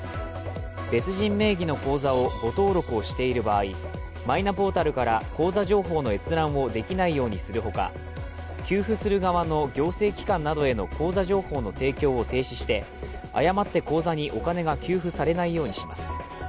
別人名義の口座を誤登録をしている場合、マイナポータルから口座情報の閲覧をできないようにするほか給付する側の行政機関などへの口座情報の提供を停止して誤って口座にお金が給付されないようにします。